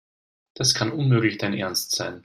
Das kann unmöglich dein Ernst sein.